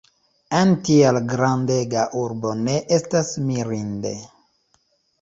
En tiel grandega urbo ne estas mirinde.